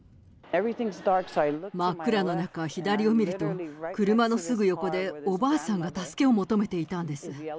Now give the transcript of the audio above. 真っ暗の中、左を見ると、車のすぐ横でおばあさんが助けを求めていたんです。